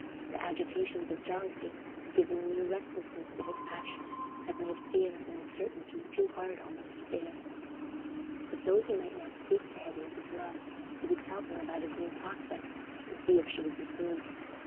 The agitations of jealousy had given a new restlessness to his passion—had made fear and uncertainty too hard almost to bear. But though he might not speak to Hetty of his love, he would tell her about his new prospects and see if she would be pleased.